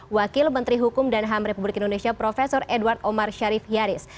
wakil menteri hukum dan ham republik indonesia prof edward omar sharif yaris